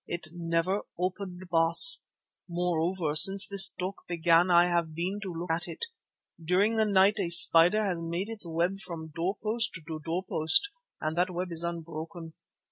It never opened, Baas; moreover, since this talk began I have been to look at it. During the night a spider has made its web from door post to door post, and that web is unbroken.